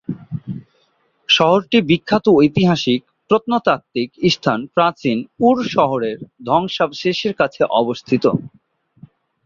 শহরটি বিখ্যাত ঐতিহাসিক প্রত্নতাত্ত্বিক স্থান প্রাচীন উর শহরের ধ্বংসাবশেষের কাছে অবস্থিত।